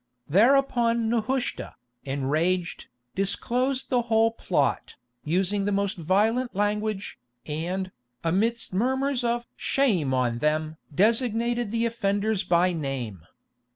Thereupon Nehushta, enraged, disclosed the whole plot, using the most violent language, and, amidst murmurs of "Shame on them!" designating the offenders by name.